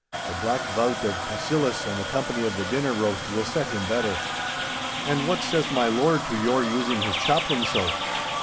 The Black Vaut of Cassillis and the company of the dinner roast will set him better.' 'And what says my lord to your using his chaplain so?